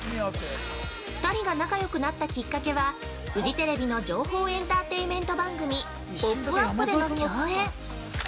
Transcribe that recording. ２人が仲よくなったきっかけはフジテレビの情報エンターテイメント番組「ポップＵＰ！」での共演。